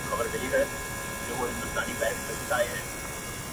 o هغه د بل د كور ډېوه جوړه ده ـ